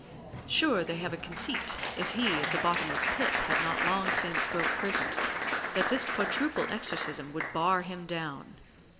Sure they have a conceit, if he of the bottomless pit had not long since broke prison, that this quadruple exorcism would bar him down.